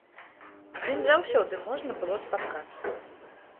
З ім заўсёды можна было спаткацца.